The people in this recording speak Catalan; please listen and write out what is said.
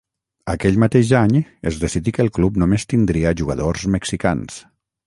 Aquell mateix any es decidí que el club només tindria jugadors mexicans.